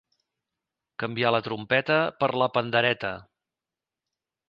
Canviar la trompeta per la pandereta.